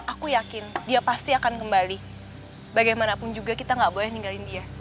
aku yakin dia pasti akan kembali bagaimanapun juga kita gak boleh ninggalin dia